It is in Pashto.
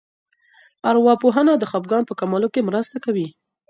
ارواپوهنه د خپګان په کمولو کې مرسته کوي.